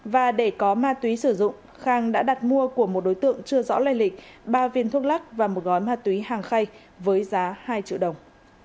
và để có ma túy sử dụng khang đã đặt mua của một đối tượng chưa rõ lây lịch ba viên thuốc lắc và một gói ma túy hàng khay với giá hai triệu đồng